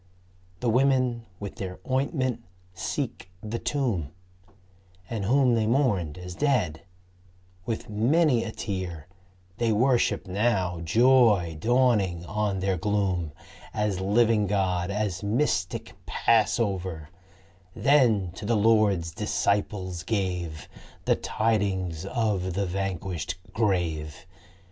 The women with their ointment seek the tomb ; And Whom they mourned as dead, with many a tear, They worship now, joy dawning on their gloom, As living God, as mystic Passover ; Then to the Lord's Disciples gave The tidings of the vanquished grave.